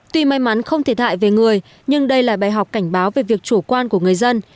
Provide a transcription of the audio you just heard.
tuy may mắn không thiệt hại về người nhưng đây là bài học cảnh báo về việc chủ quan của người dân